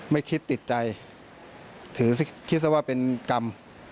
ไม่คิดติดใจถือคิดซะว่าเป็นกรรม